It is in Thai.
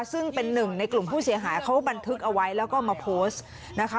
ซึ่งเป็นหนึ่งในกลุ่มผู้เสียหายเขาบันทึกเอาไว้แล้วก็มาโพสต์นะคะ